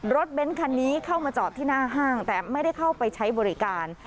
เบ้นคันนี้เข้ามาจอดที่หน้าห้างแต่ไม่ได้เข้าไปใช้บริการ